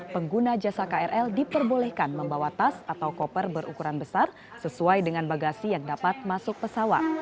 pengguna jasa krl diperbolehkan membawa tas atau koper berukuran besar sesuai dengan bagasi yang dapat masuk pesawat